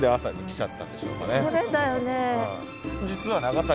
それだよね。